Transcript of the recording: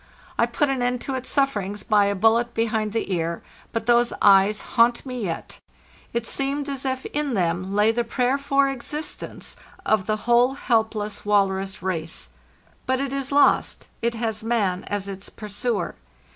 I put an end to its sufferings by a bullet behind the ear, but those eyes haunt me yet; it seemed as if in them lay the prayer for existence of the whole helpless walrus race. But it is lost; it has man as its pursuer.